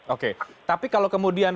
oke tapi kalau kemudian